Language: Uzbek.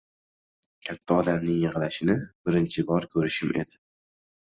Katta odamning yig’lashini birinchi ko‘rishim edi.